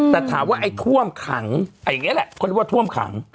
แต่ถามว่าไอ้ท่วมขังอย่างนี้แหละเขาเรียกว่าท่วมขัง